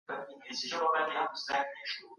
طبیعی علوم هم ورته اصول لري.